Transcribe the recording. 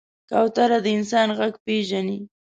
کوتره د انسان غږ پېژني.